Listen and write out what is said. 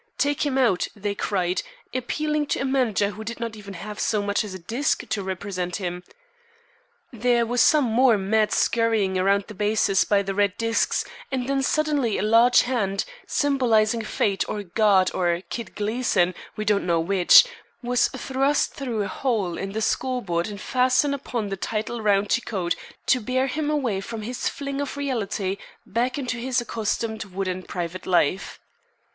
"Take him out!" they cried, appealing to a manager who did not even have so much as a disk to represent him. There was some more mad scurrying around the bases by the red disks, and then suddenly a large hand, symbolizing Fate or God or Kid Gleason, we don't know which, was thrust through a hole in the scoreboard and fastened upon the little round Cicotte to bear him away from his fling of reality back into his accustomed wooden private life.